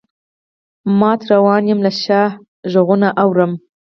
مات روان یمه له شا غــــــــږونه اورم